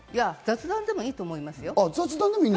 雑談でもいいと思いますよ。